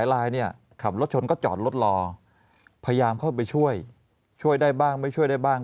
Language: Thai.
ลายเนี่ยขับรถชนก็จอดรถรอพยายามเข้าไปช่วยช่วยได้บ้างไม่ช่วยได้บ้าง